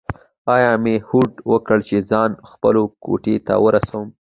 ایله مې هوډ وکړ چې ځان خپلو کوټې ته ورسوم.